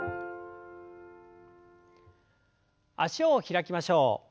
脚を開きましょう。